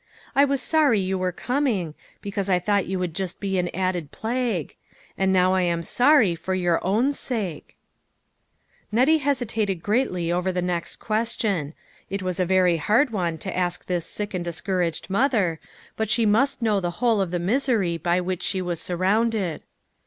I was sorry you were coming, because I thought you would just be an added plague ; and now I am sorry for your own sake." 72 LITTLE FISHERS : AND THEIR NETS. Nettie hesitated greatly over the next ques tion. It was a very hard one to ask this sick and discouraged mother, but she must know the whole of the misery by which she was sur rounded.